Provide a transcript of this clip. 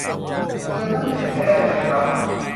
เติมน้ำแข็งให้ได้ไหมครับ